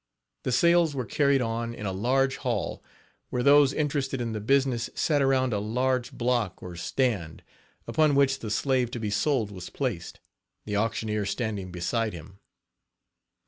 The sales were carried on in a large hall where those interested in the business sat around a large block or stand, upon which the slave to be sold was placed, the auctioneer standing beside him.